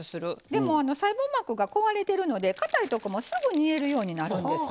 でも、細胞膜が壊れてるのでかたいところもすぐ煮えるようになるんです。